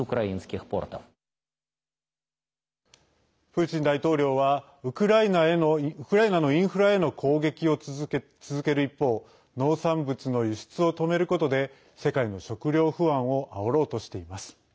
プーチン大統領はウクライナのインフラへの攻撃を続ける一方農産物の輸出を止めることで世界の食料不安をあおろうとしています。